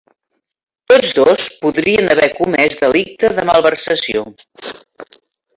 Tots dos podrien haver comès delicte de malversació